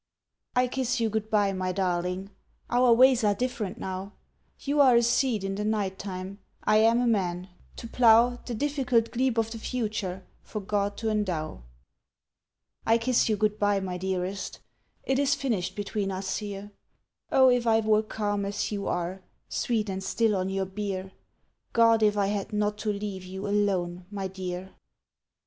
I kiss you good bye, my darling, Our ways are different now; You are a seed in the night time, I am a man, to plough The difficult glebe of the future For God to endow. I kiss you good bye, my dearest, It is finished between us here. Oh, if I were calm as you are, Sweet and still on your bier! God, if I had not to leave you Alone, my dear!